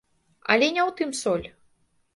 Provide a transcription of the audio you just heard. Але не ў тым соль.